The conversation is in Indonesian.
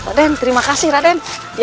raden terima kasih raden